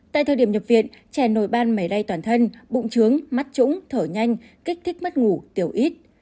tại thời điểm nhập viện trẻ nổi ban máy bay toàn thân bụng trướng mắt trũng thở nhanh kích thích mất ngủ tiểu ít